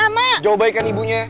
mau baikan ibunya